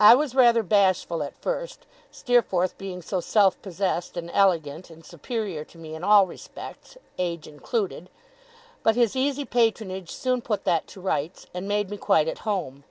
I was rather bashful at first, Steerforth being so self possessed, and elegant, and superior to me in all respects (age included); but his easy patronage soon put that to rights, and made me quite at home.